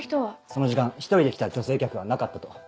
その時間１人で来た女性客はなかったと。